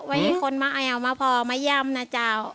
ไว้คนมาเอามาจมักมาพอมายำนะจ้าว